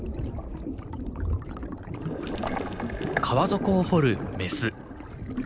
川底を掘るメス。